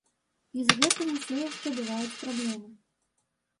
І з гэтым усё яшчэ бываюць праблемы.